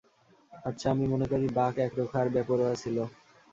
আচ্ছা, আমি মনে করি বাক একরোখা আর বেপরোয়া ছিল।